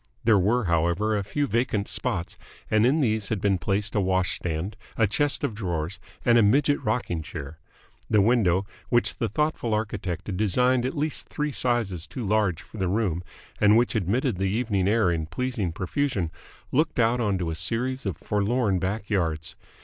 There were however, a few vacant spots, and in these had been placed a wash stand, a chest of drawers, and a midget rocking chair. The window, which the thoughtful architect had designed at least three sizes too large for the room and which admitted the evening air in pleasing profusion, looked out onto a series of forlorn back yards.